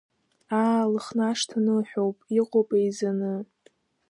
Аа, Лыхнашҭа ныҳәоуп, иҟоуп еизаны.